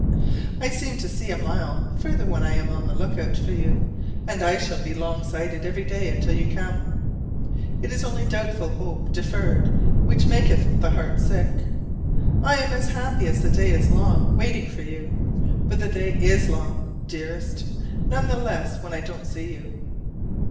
I seem to see a mile further when I am on the lookout for you: and I shall be long sighted every day until you come. It is only doubtful hope deferred which maketh the heart sick. I am as happy as the day is long waiting for you: but the day is long, dearest, none the less when I don't see you.